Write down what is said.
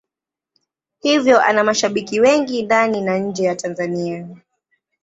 Hivyo ana mashabiki wengi ndani na nje ya Tanzania.